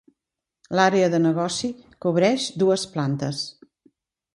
L'àrea de negoci cobreix dues plantes.